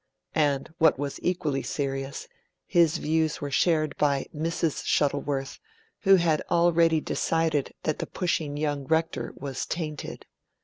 And what was equally serious his views were shared by Mrs. Shuttleworth, who had already decided that the pushing young Rector was 'tainted'.